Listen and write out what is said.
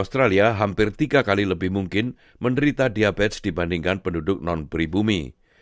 australia hampir tiga kali lebih mungkin menderita diabetes dibandingkan penduduk non pribumi